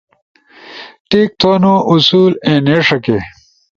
ٹیک تھونو اصول اینے ݜکے